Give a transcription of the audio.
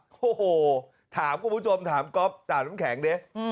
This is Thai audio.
โฮโหถามกุมู้ชมถามก๊อปจากน้ำแข็งดิ